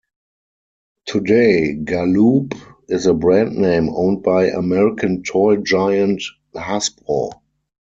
Today Galoob is a brand name owned by American toy giant Hasbro.